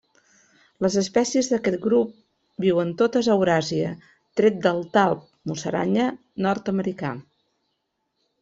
Les espècies d'aquest grup viuen totes a Euràsia, tret del talp musaranya nord-americà.